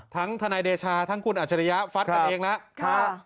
ทั้งถนายเดชาะและคุณอัชฎิยะฟัชร์กันเองแล้ว